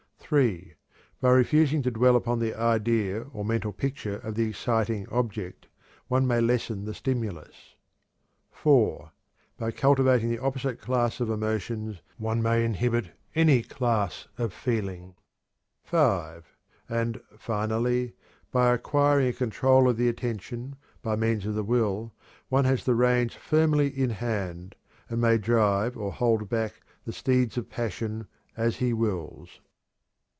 (3) By refusing to dwell upon the idea or mental picture of the exciting object, one may lessen the stimulus. (4) By cultivating the opposite class of emotions, one may inhibit any class of feeling. (5) And, finally, by acquiring a control of the attention, by means of the will, one has the reins firmly in hand, and may drive or hold back the steeds of passion as he wills.